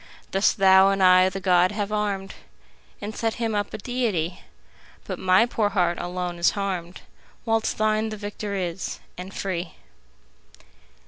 Thus thou and I the god have arm'd And set him up a deity; But my poor heart alone is harm'd, 15 Whilst thine the victor is, and free!